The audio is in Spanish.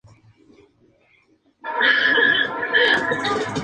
Es administrado por la alcaldía de la ciudad de Sogamoso.